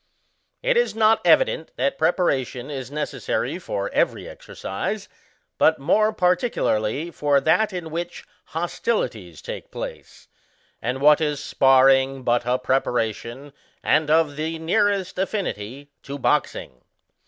Is it not evident that preparation is ne cessary for every exercise, but more particularly for that in which hostilities take place; and what is SPARRING but a preparation, and of the nearest aflB nity, to boxing?